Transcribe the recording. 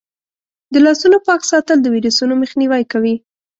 د لاسونو پاک ساتل د ویروسونو مخنیوی کوي.